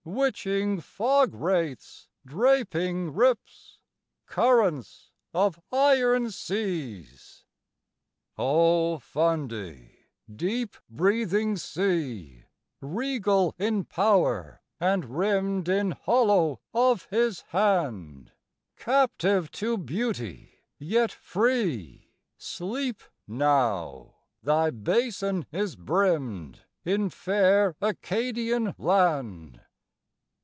Witching fog wraiths draping rips! Currents of iron seas! IV. O Fundy, deep breathing sea, Regal in power and rimmed In hollow of His hand, Captive to beauty, yet free, Sleep now, thy Basin is brimmed In fair Acadian land!